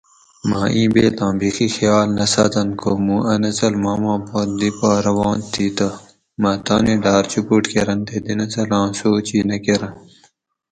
مہ اِین بیتاں بیخی خیال نہ ساتنت کو مُون اۤ نسل ماما پت دی پا روان تھی تہ ما تانی ڈاۤر چُپوٹ کرنت تے دی نسلان سوچ ئ نہ کرنت